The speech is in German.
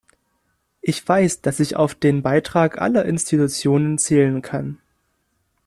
Ich weiß, dass ich auf den Beitrag aller Institutionen zählen kann.